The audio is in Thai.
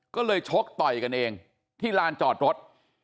ก็เลยชกต่อยกันเองที่ลานจอดรถ